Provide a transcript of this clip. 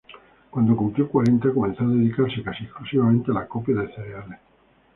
Cuando cumplió cuarenta comenzó a dedicarse casi exclusivamente al acopio de cereales.